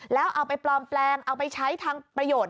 แล้วเอาไปปลอมแปลงเอาไปใช้ทางประโยชน์